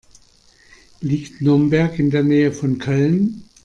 Liegt Nürnberg in der Nähe von Köln?